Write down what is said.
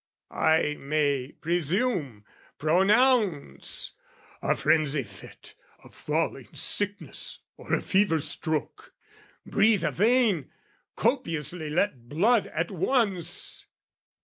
I may presume, pronounce, "A frenzy fit, "A falling sickness or a fever stroke! Breathe a vein, copiously let blood at once!"